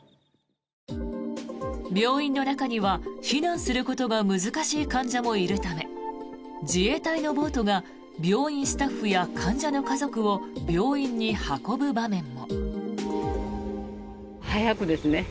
病院の中には避難することが難しい患者もいるため自衛隊のボートが病院スタッフや患者の家族を病院に運ぶ場面も。